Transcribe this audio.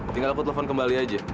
tinggal aku telepon kembali aja